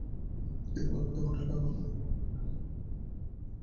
কৃত্রিম বৃদ্ধিমত্তার মডেল ব্যবহার করে এখন বুদ্ধিবৃত্তিক যন্ত্র তৈরি করা সম্ভব।